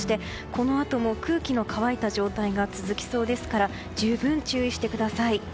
このあとも空気の乾いた状態が続きそうですから十分注意してください。